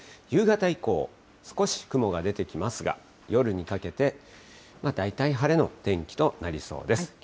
夕方以降、少し雲が出てきますが、夜にかけて、大体晴れの天気となりそうです。